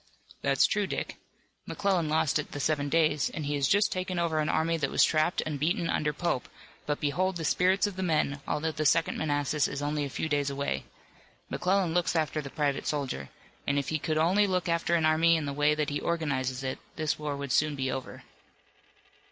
"That's true, Dick. McClellan lost at the Seven Days, and he has just taken over an army that was trapped and beaten under Pope, but behold the spirits of the men, although the Second Manassas is only a few days away. McClellan looks after the private soldier, and if he could only look after an army in the way that he organizes it this war would soon be over."